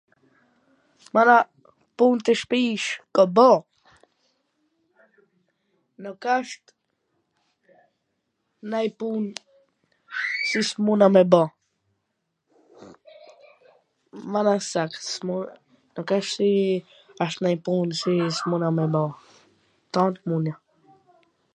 Mana, punt e shpish i kam bo, nuk asht nanj pun qw s muna me e bo, mana, sakt, s mun, nuk asht nanj pun si s muna me e bo, tan puna.